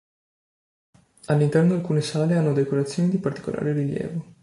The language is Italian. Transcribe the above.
All'interno alcune sale hanno decorazioni di particolare rilievo.